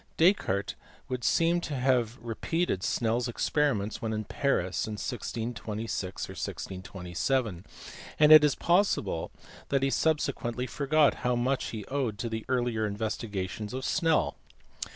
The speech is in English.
Descartes would seem to have repeated Snell s experiments when in Paris in 1626 or 1627, and it is possible that he subsequently forgot how much he owed to the earlier investigations of Snell.